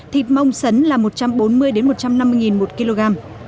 thịt mông sấn là một trăm bốn mươi một trăm năm mươi đồng một kg